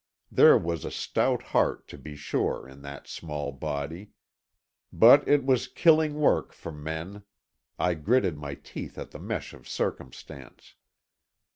There was a stout heart, to be sure, in that small body. But it was killing work for men—I gritted my teeth at the mesh of circumstance.